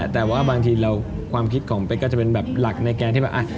แต่ว่าบางทีเราความคิดของเป๊กก็จะเป็นแบบหลักในการที่แบบ